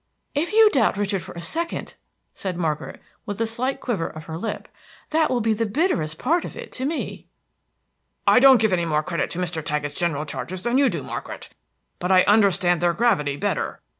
"If you doubt Richard for a second," said Margaret, with a slight quiver of her lip, "that will be the bitterest part of it to me." "I don't give any more credit to Mr. Taggett's general charges than you do, Margaret; but I understand their gravity better.